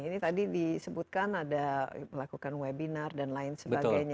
ini tadi disebutkan ada melakukan webinar dan lain sebagainya